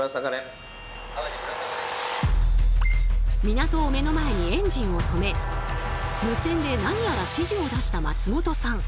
港を目の前にエンジンを止め無線で何やら指示を出した松本さん。